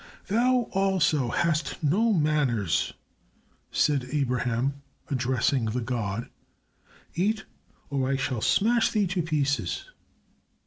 "Thou also hast no manners," said Abraham, addressing the god; "eat, or I shall smash thee to pieces."